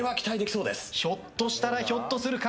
ひょっとしたらひょっとするか。